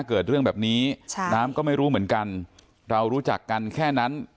เกิดเรื่องแบบนี้ใช่น้ำก็ไม่รู้เหมือนกันเรารู้จักกันแค่นั้น